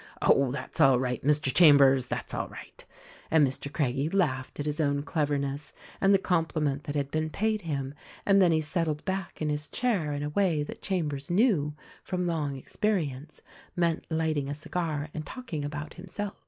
"Oh, that's all right, Mr. Chambers, that's all right." And Mr. Craggie laughed at his own cleverness and the compliment that had been paid him ; and then he settled back in his chair in a way that Chambers knew, from long experi ence, meant lighting a cigar and talking about himself.